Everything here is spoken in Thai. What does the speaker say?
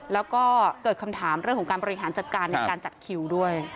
แล้วก็เกิดคำถามเรื่องของการบริหารจัดการในการจัดคิวด้วย